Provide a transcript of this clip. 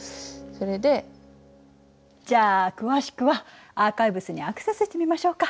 じゃあ詳しくはアーカイブスにアクセスしてみましょうか。